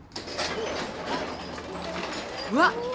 うわっ！